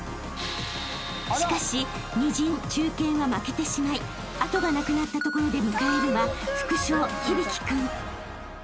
［しかし二陣中堅は負けてしまい後がなくなったところで迎えるは副将響君］